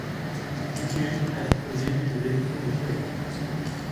Lucky Luke assiste au début des élections de shérif.